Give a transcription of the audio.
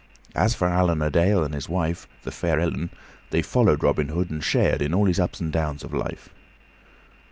As for Allan a Dale and his wife, the fair Ellen, they followed Robin Hood and shared in all his ups and downs of life.